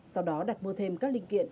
sau đó đặt mua thêm các linh kiện